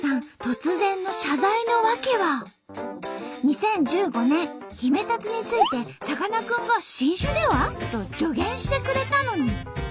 突然の謝罪の訳は２０１５年ヒメタツについてさかなクンが「新種では？」と助言してくれたのに。